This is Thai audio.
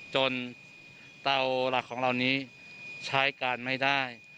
เตาหลักของเรานี้ใช้การไม่ได้